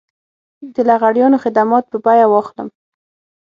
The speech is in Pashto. د لغړیانو خدمات په بيه واخلم.